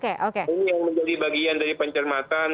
ini yang menjadi bagian dari pencermatan